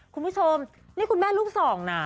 คุณผู้ชมนี่คุณแม่ลูกสองนะ